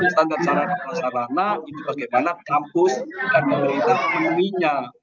standar sarana prasarana itu bagaimana kampus dan pemerintah memenuhinya